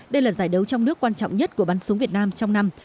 đây là giải đấu trong nước quan trọng nhất của bắn súng việt nam trong năm